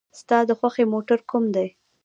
ستا د خوښې موټر کوم دی؟